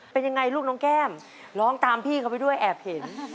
เป็นยังไงลูกน้องแก้มร้องตามพี่เขาไปด้วยแอบเห็น